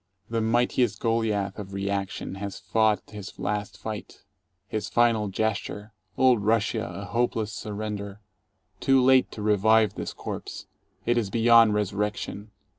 The mightiest Goliath of Reaction has fought his last fight — his final gesture, Old Russia, a hopeless surrender. Too late to revive this corpse. It is beyond resurrection.